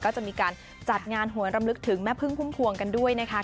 ก็จะมีการจัดงานหวนรำลึกถึงแม่พึ่งพุ่มพวงกันด้วยนะคะ